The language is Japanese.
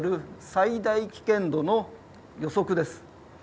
最大危険度の予測です。